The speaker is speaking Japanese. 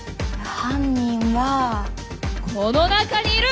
犯人はこの中にいる！